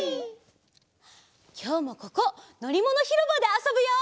きょうもここのりものひろばであそぶよ！